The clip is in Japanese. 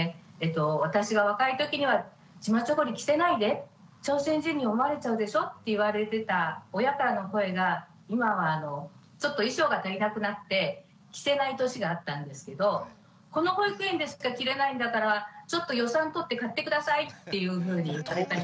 私が若いときにはチマチョゴリ着せないで朝鮮人に思われちゃうでしょって言われてた親からの声が今はちょっと衣装が足りなくなって着せない年があったんですけどこの保育園でしか着れないんだからちょっと予算取って買って下さいっていうふうに言われたり。